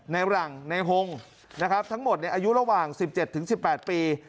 ในหลังในโฮงนะครับทั้งหมดในอายุระหว่างสิบเจ็ดถึงสิบแปดปี